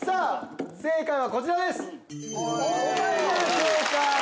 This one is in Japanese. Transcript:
正解はこちらです。